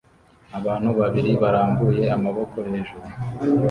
Abantu babiri barambuye amaboko hejuru